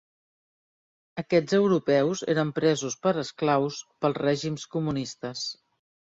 Aquests europeus eren presos per esclaus pels règims comunistes.